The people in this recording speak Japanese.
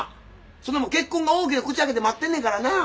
そんなもん結婚が大きな口開けて待ってんねんからな。